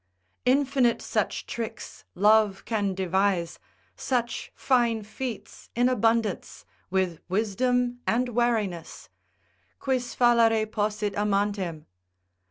Infinite such tricks love can devise, such fine feats in abundance, with wisdom and wariness, quis fallere possit amantem.